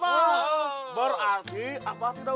berarti abah tidak usah galau